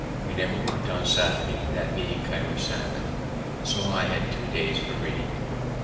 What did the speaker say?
We never worked on Saturday, that being Keimer's Sabbath, so I had two days for reading.